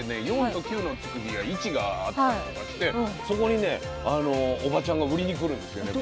４と９の付く日は市があったりとかしてそこにねおばちゃんが売りに来るんですよね。